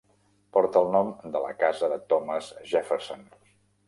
Porta el nom de la casa de Thomas Jefferson.